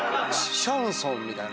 シャンソンみたいな。